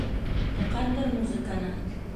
Тоҡандыр музыканы!